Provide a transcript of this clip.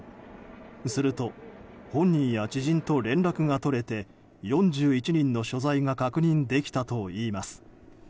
すると、本人や知人と連絡が取れて４１人の所在が確認できたといいます。